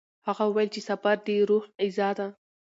هغه وویل چې سفر د روح غذا ده.